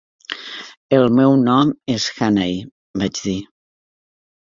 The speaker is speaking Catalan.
"El meu nom és Hannay" vaig dir.